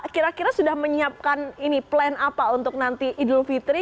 kira kira sudah menyiapkan ini plan apa untuk nanti idul fitri